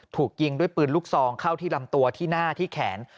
ถูกยิงด้วยปืนลูกซองเข้าที่ลำตัวที่หน้าที่แขน